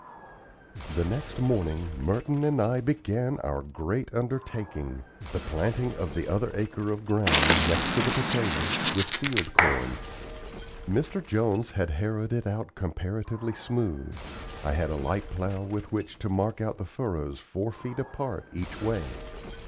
The next morning Merton and I began our great undertaking the planting of the other acre of ground, next to the potatoes, with field corn. Mr. Jones had harrowed it comparatively smooth, I had a light plow with which to mark out the furrows four feet apart each way.